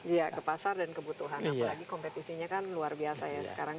iya ke pasar dan kebutuhan apalagi kompetisinya kan luar biasa ya sekarang